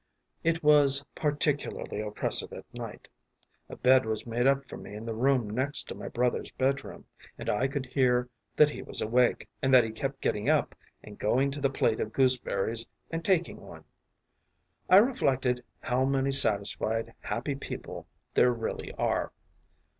It was particularly oppressive at night. A bed was made up for me in the room next to my brother’s bedroom, and I could hear that he was awake, and that he kept getting up and going to the plate of gooseberries and taking one. I reflected how many satisfied, happy people there really are!